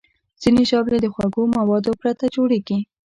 ځینې ژاولې د خوږو موادو پرته جوړېږي.